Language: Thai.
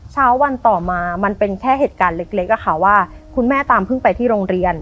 เช้าวันต่อมามันเป็นแค่เหตุการณ์เล็กอะค่ะว่าคุณแม่ตามเพิ่งไปที่โรงเรียน